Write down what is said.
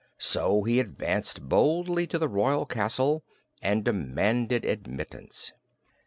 So he advanced boldly to the royal castle and demanded admittance.